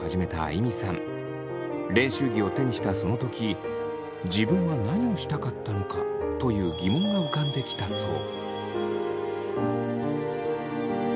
練習着を手にしたその時自分は何をしたかったのかという疑問が浮かんできたそう。